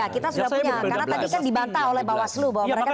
karena tadi kan dibantah oleh bawaslu